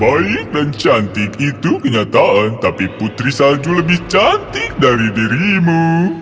baik dan cantik itu kenyataan tapi putri salju lebih cantik dari dirimu